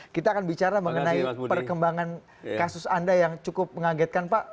kita akan bicara mengenai perkembangan kasus anda yang cukup mengagetkan pak